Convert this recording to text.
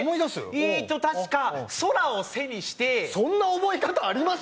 えっと確か空を背にしてそんな覚え方あります？